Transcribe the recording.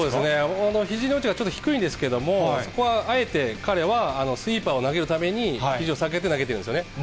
このひじの位置がちょっと低いんですけれども、そこはあえて彼はスイーパーを投げるために、ひじを下げて投げてるんですよね。